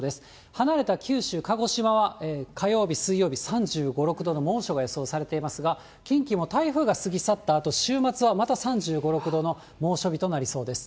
離れた九州、鹿児島は火曜日、水曜日、３５、６度の猛暑が予想されていますが、近畿も台風が過ぎ去ったあと、週末はまた３５、６度の猛暑日となりそうです。